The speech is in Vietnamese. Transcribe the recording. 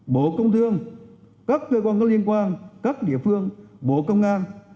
bộ công thương các cơ quan có liên quan các địa phương bộ công an